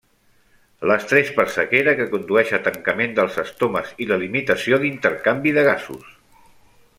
L'estrès per sequera que condueix a tancament dels estomes i la limitació d'intercanvi de gasos.